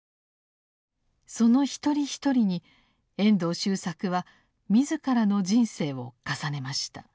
その一人一人に遠藤周作は自らの人生を重ねました。